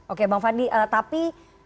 oke bang fandi tapi